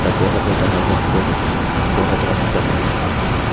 До города дорога в гору, от города — с горы.